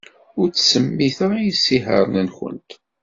Ur ttsemmiteɣ isihaṛen-nwent.